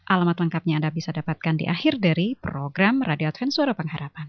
alamat lengkapnya anda bisa dapatkan di akhir dari program radio adventsura pengharapan